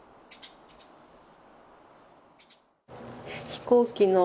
飛行機の。